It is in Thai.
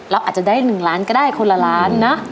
เราอาจจะได้หนึ่งล้านก็ได้คนละล้านนะ